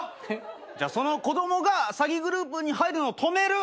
じゃあその子供が詐欺グループに入るのを止める。